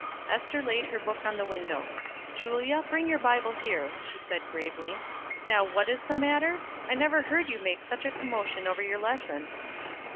Ester laid her book on the window. "Julia, bring your Bible here," she said, gravely. "Now what is the matter? I never heard you make such a commotion over your lesson."